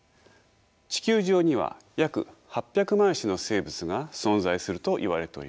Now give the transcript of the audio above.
地球上には約８００万種の生物が存在するといわれております。